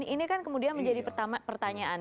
ini kan kemudian menjadi pertanyaan